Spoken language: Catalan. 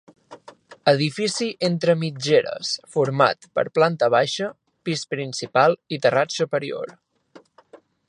Edifici entre mitgeres format per planta baixa, pis principal i terrat superior.